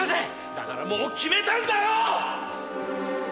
だからもう決めたんだよ！